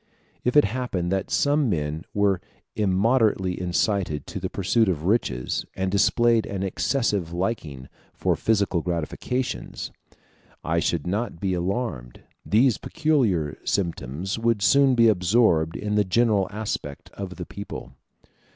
If it happened that some men were immoderately incited to the pursuit of riches, and displayed an excessive liking for physical gratifications, I should not be alarmed; these peculiar symptoms would soon be absorbed in the general aspect of the people.